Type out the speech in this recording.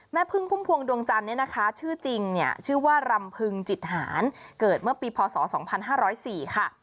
แม่พึ่งพุ่มพวงดวงจันทร์เนี่ยนะคะชื่อจริงเนี่ยชื่อว่ารำพึงจิตหารเกิดเมื่อปีพศ๒๕๐๔ค่ะ